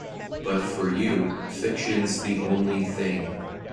But for you, fiction's the only thing.